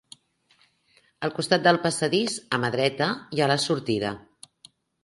Al costat del passadís, a mà dreta hi ha la sortida.